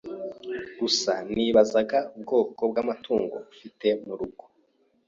Gusa nibazaga ubwoko bw'amatungo ufite murugo.